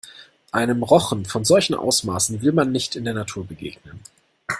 Einem Rochen von solchen Ausmaßen will man nicht in der Natur begegnen.